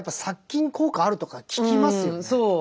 そう。